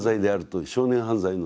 少年犯罪の。